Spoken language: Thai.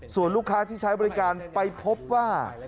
ส่วนลูกค้าที่ใช้บริการไปพบว่า